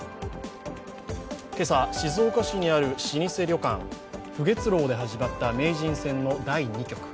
今朝、静岡市にある老舗料亭・浮月楼で始まった名人戦第２局。